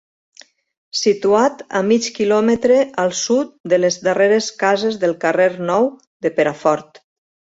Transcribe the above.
Situat a mig kilòmetre al sud de les darreres cases del carrer Nou de Perafort.